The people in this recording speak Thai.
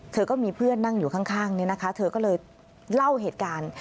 ก็มีเพื่อนนั่งอยู่ข้างนี่นะคะเธอก็เลยเล่าเหตุการณ์